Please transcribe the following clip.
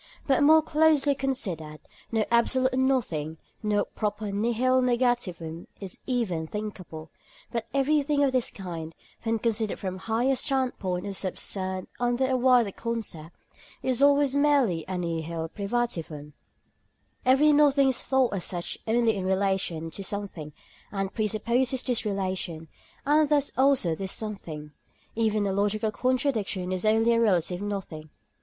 But more closely considered, no absolute nothing, no proper nihil negativum is even thinkable; but everything of this kind, when considered from a higher standpoint or subsumed under a wider concept, is always merely a nihil privativum. Every nothing is thought as such only in relation to something, and presupposes this relation, and thus also this something. Even a logical contradiction is only a relative nothing.